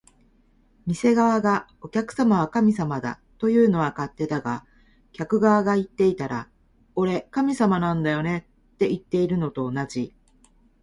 店側が「お客様は神様だ」というのは勝手だが、客側が言っていたら「俺、神様なんだよね」っていってるのと同じ